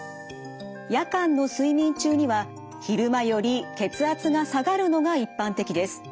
夜間の睡眠中には昼間より血圧が下がるのが一般的です。